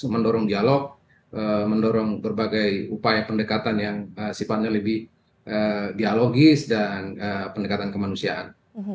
mendorong dialog mendorong berbagai upaya pendekatan yang sifatnya lebih dialogis dan pendekatan kemanusiaan